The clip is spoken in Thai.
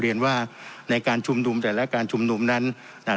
เรียนว่าในการชุมนุมแต่ละการชุมนุมนั้นอ่า